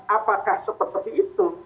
apakah seperti itu